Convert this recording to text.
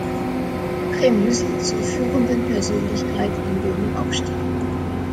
Přemysl zur führenden Persönlichkeit in Böhmen aufstieg.